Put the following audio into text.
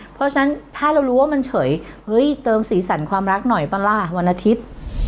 เพราะฉะนั้นถ้าเรารู้ว่ามันเฉยเฮ้ยเติมสีสันความรักหน่อยป่ะล่ะวันอาทิตย์